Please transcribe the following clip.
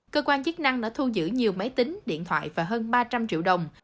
cơ quan chức năng đã thu giữ nhiều máy tính điện thoại và hơn ba trăm linh triệu đồng